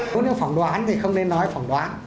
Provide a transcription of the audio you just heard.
có những phỏng đoán thì không nên nói phỏng đoán